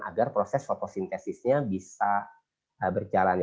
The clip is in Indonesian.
agar proses fotosintesisnya bisa berjalan